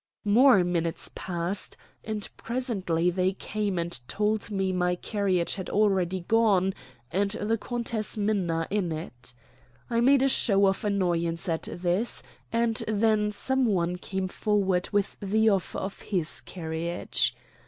More minutes passed, and presently they came and told me my carriage had already gone and the Countess Minna in it. I made a show of annoyance at this; and then some one came forward with the offer of his carriage.